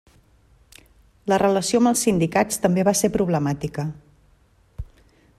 La relació amb els sindicats també va ser problemàtica.